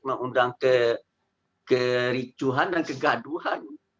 mengundang kericuhan dan kegaduhan